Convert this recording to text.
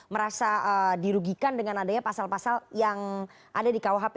merasa dirugikan dengan adanya pasal pasal yang ada di kuhp